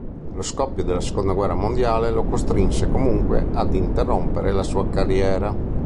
Lo scoppio della seconda guerra mondiale lo costrinse comunque ad interrompere la sua carriera.